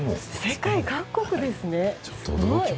世界各国ですね。